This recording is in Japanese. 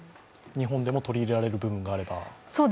日本でも取り入れられる部分があれば。